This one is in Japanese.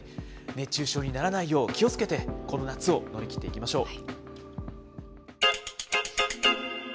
熱中症にならないよう気をつけてこの夏を乗り切っていきましょう。